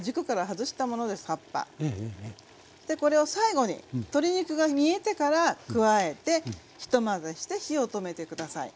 そしてこれを最後に鶏肉が煮えてから加えてひと混ぜして火を止めて下さい。